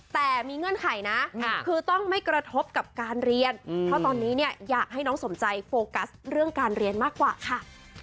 แต่มีเงื่อนไขนะคือต้องไม่กระทบกับการเรียนเพราะตอนนี้เนี่ยอยากให้น้องสมใจโฟกัสเรื่องการเรียนมากกว่าค่ะ